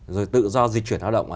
rồi tự do di chuyển hoạt động